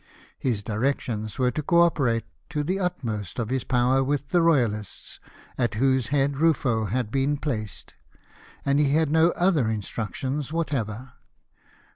His directions were to co operate to the utmost of his power with the royalists, at whose head Ruffo had been placed, and he had no other mstructions whatever.